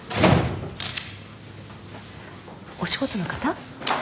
お仕事の方？